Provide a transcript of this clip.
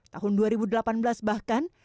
tahun dua ribu delapan belas bahkan